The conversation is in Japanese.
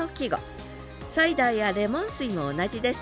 サイダーやレモン水も同じです。